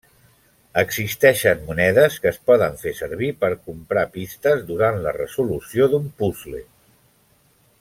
Existeixen monedes que es poden fer servir per comprar pistes durant la resolució d'un puzle.